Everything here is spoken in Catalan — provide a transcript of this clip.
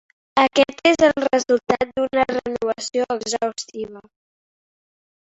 Aquest és el resultat d"una renovació exhaustiva.